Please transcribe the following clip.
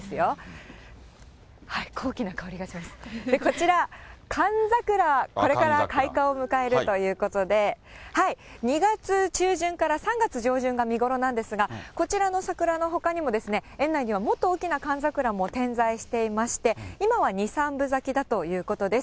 こちら、カンザクラ、これから開花を迎えるということで、２月中旬から３月上旬が見頃なんですが、こちらの桜のほかにも、園内にはもっと大きなカンザクラも点在していまして、今は２、３分咲きだということです。